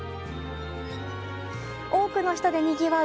多くの人でにぎわう